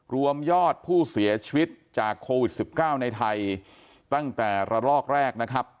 รวมยอดผู้เสียชีวิตจากโควิด๑๙ในไทยตั้งแต่ระลอกแรกนะครับ